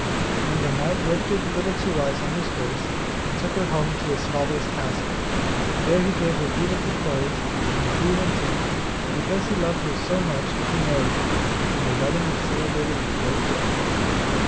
Then the knight lifted Little Two eyes on his horse, and took her home to his father's castle. There he gave her beautiful clothes, and food and drink, and because he loved her so much he married her, and the wedding was celebrated with great joy.